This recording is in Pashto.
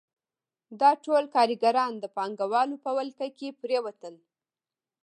دا ټول کارګران د پانګوالو په ولکه کې پرېوتل